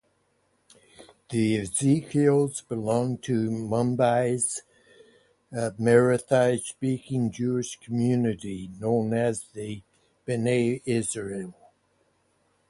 The Ezekiels belonged to Mumbai's Marathi-speaking Jewish community known as the Bene Israel.